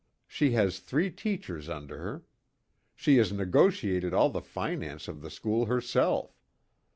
She has three teachers under her. She has negotiated all the finance of the school herself.